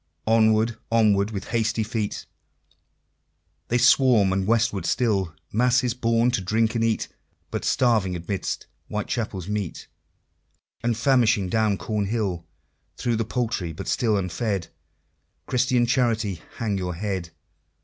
Onward, onward, with hasty feet, They swarm and westward still Masses born to drink and eat, But starving amidst Whitechapel's meat, And famishing down Cornhill! Through the Poultry but still unfed Christian Charity, hang your head!